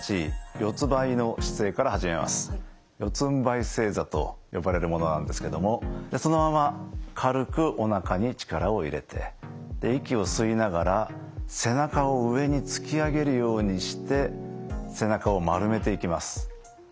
四つんばい正座と呼ばれるものなんですけれどもそのまま軽くおなかに力を入れて息を吸いながら背中を上に突き上げるようにして背中を丸めていきます。